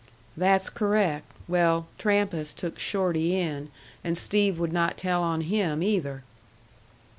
"That's correct. Well, Trampas took Shorty in, and Steve would not tell on him either."